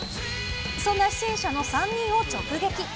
そんな出演者の３人を直撃。